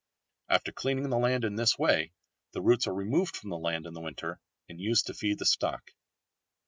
After cleaning the land in this way the roots are removed from the land in the winter and used to feed the stock.